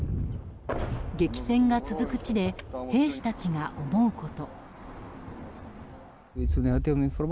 激戦が続く地で兵士たちが思うこと。